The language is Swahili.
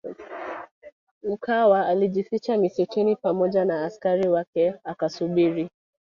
Mkwawa alijificha msituni pamoja na askari wake akasubiri